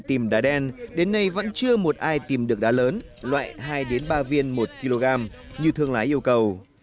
tìm đá đen đến nay vẫn chưa một ai tìm được đá lớn loại hai ba viên một kg như thương lái yêu cầu